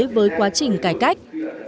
với quá trình cải cách